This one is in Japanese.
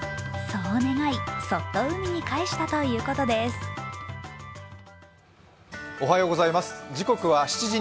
そう願い、そっと海に帰したということです。